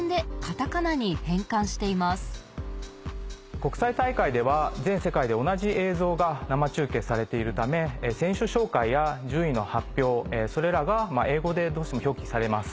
国際大会では全世界で同じ映像が生中継されているため選手紹介や順位の発表それらが英語でどうしても表記されます。